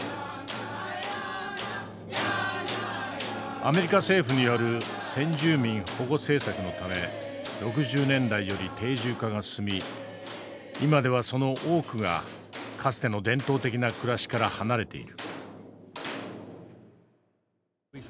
アメリカ政府による先住民保護政策のため６０年代より定住化が進み今ではその多くがかつての伝統的な暮らしから離れている。